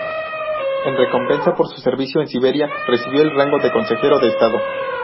En recompensa por su servicio en Siberia, recibió el rango de consejero de Estado.